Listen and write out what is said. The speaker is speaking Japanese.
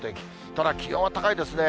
ただ気温は高いですね。